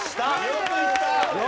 よくいった！